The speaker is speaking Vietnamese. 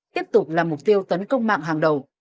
tiếp tục là mục tiêu tấn công mạng hàng đầu